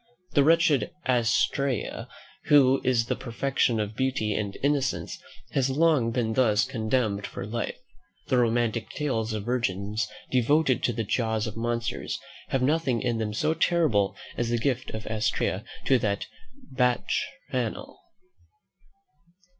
The wretched Astraea, who is the perfection of beauty and innocence, has long been thus condemned for life. The romantic tales of virgins devoted to the jaws of monsters, have nothing in them so terrible as the gift of Astraea to that Bacchanal.